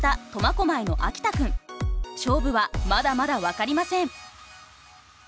勝負はまだまだ分かりません。